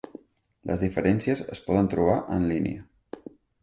Les diferències es poden trobar en línia.